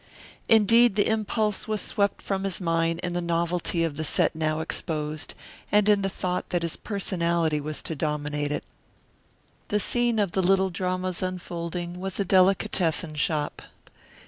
Indeed the impulse was swept from his mind in the novelty of the set now exposed, and in the thought that his personality was to dominate it. The scene of the little drama's unfolding was a delicatessen shop.